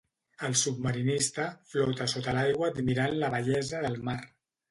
El submarinista flota sota l'aigua admirant la bellesa del mar.